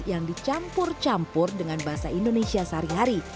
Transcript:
yang dicampur campur dengan bahasa indonesia sehari hari